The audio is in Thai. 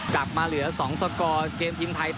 กลับมาเหลือ๒สกเกมทีมไทย